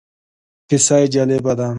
کیسه یې جالبه ده.